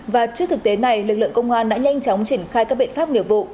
và trước thực tế này lực lượng công an đã nhanh chóng triển khai các biện pháp nghiệp vụ